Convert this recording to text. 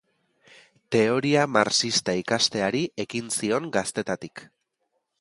Teoria marxista ikasteari ekin zion gaztetatik.